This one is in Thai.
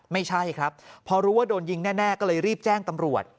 ไม่ใช่ครับพอรู้ว่าโดนยิงแน่ก็เลยรีบแจ้งตำรวจ